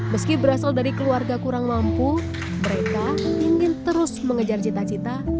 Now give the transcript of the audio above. meski berasal dari keluarga kurang mampu mereka ingin terus mengejar cita cita